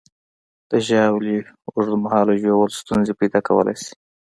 د ژاولې اوږد مهاله ژوول ستونزې پیدا کولی شي.